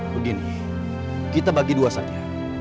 begini kita bagi dua saja